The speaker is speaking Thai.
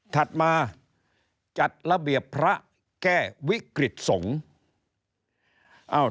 ถัดมาจัดระเบียบพระแก้วิกฤตสงฆ์